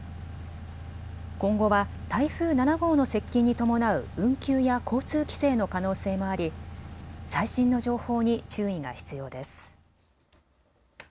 今後は台風７号の接近に伴う運休や交通規制の可能性もあり最新の情報に注意が必要です。